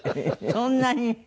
そんなに？